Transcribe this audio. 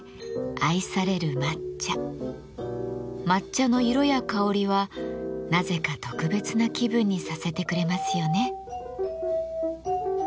抹茶の色や香りはなぜか特別な気分にさせてくれますよね。